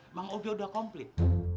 emang udah udah komplit